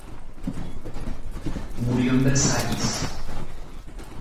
Murió en Versailles.